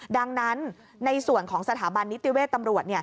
ดังนั้นในส่วนของสถาบันนิติเวศตำรวจ